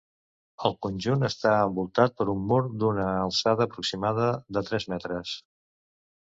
El conjunt està envoltat per un mur d'una alçada aproximada de tres metres.